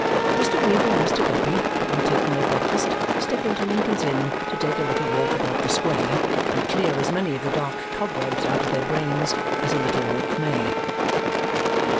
Mr. Weevle and Mr. Guppy, having taken their breakfast, step into Lincoln's Inn to take a little walk about the square and clear as many of the dark cobwebs out of their brains as a little walk may.